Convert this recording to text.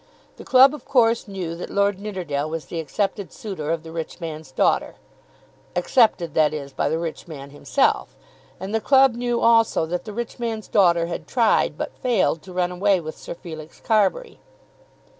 The club of course knew that Lord Nidderdale was the accepted suitor of the rich man's daughter, accepted, that is, by the rich man himself, and the club knew also that the rich man's daughter had tried, but had failed, to run away with Sir Felix Carbury.